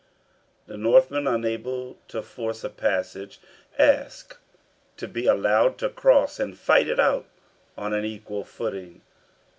[The Northmen, unable to force a passage, ask to be allowed to cross and fight it out on an equal footing.